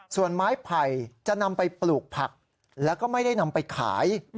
ส่วนไม้ไผ่จะนำไปปลูกผักแล้วก็ไม่ได้นำไปขาย